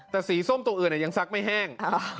แต่สีส้มตัวอื่นยังซักไม่แห้ง